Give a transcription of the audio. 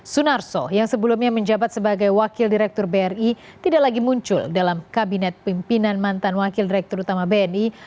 sunarso yang sebelumnya menjabat sebagai wakil direktur bri tidak lagi muncul dalam kabinet pimpinan mantan wakil direktur utama bni